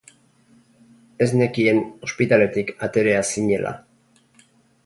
Ez nekien ospitaletik aterea zinela.